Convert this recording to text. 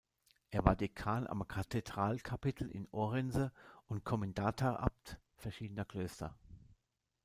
Er war Dekan am Kathedralkapitel in Orense und Kommendatarabt verschiedener Klöster.